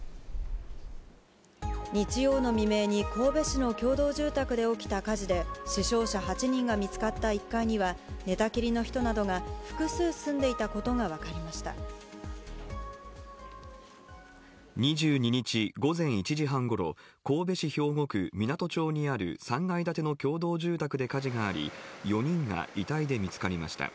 日曜の未明に、神戸市の共同住宅で起きた火事で、死傷者８人が見つかった１階には、寝たきりの人などが複数住んでい２２日午前１時半ごろ、神戸市兵庫区湊町にある３階建ての共同住宅で火事があり、４人が遺体で見つかりました。